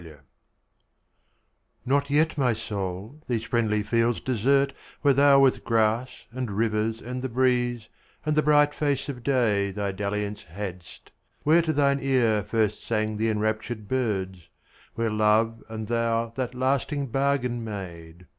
XXIV NOT yet, my soul, these friendly fields desert, Where thou with grass, and rivers, and the breeze, And the bright face of day, thy dalliance hadst; Where to thine ear first sang the enraptured birds; Where love and thou that lasting bargain made.